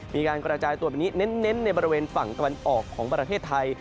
มีการกระจายตัวไปนี้เน้นในบริเวณฝั่งตะวันออกของประเทศไทย